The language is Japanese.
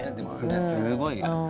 すごい。